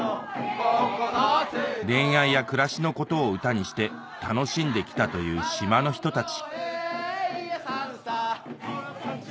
恋愛や暮らしのことを歌にして楽しんできたという島の人たち